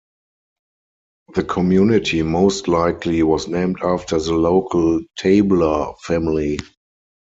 The community most likely was named after the local Tabler family.